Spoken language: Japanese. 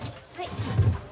はい。